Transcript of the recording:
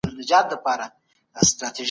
خپل کور تل په پاکه او روښانه فضا کي وساتئ.